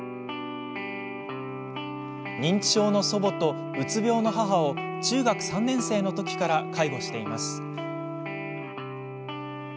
認知症の祖母と、うつ病の母を中学３年生のときから介護しています。